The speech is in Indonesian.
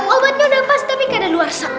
obatnya udah pas tapi keadaan luar sakit